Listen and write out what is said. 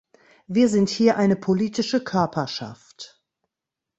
Wir sind hier eine politische Körperschaft.